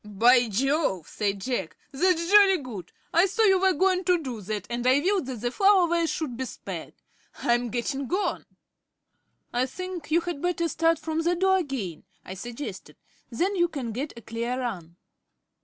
"By Jove," said Jack, "that's jolly good. I saw you were going to do that, and I willed that the flower vase should be spared. I'm getting on." "I think you had better start from the door again," I suggested. "Then you can get a clear run."